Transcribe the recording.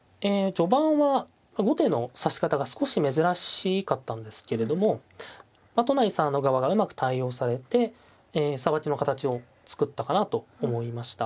序盤は後手の指し方が少し珍しかったんですけれども都成さんの側がうまく対応されてさばきの形を作ったかなと思いました。